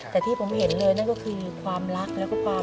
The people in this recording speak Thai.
แต่ที่ผมเห็นเลยนั่นก็คือความรักแล้วก็ความ